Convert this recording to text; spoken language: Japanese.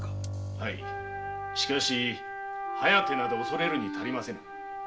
しかし「疾風」など恐れるに足りませぬ。